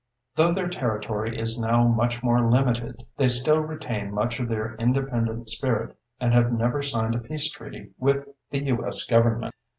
Though their territory is now much more limited, they still retain much of their independent spirit, and have never signed a peace treaty with the U.S. Government.